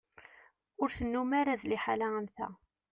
Ur tennum ara d liḥala am ta.